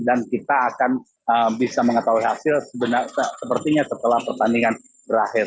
kita akan bisa mengetahui hasil sepertinya setelah pertandingan berakhir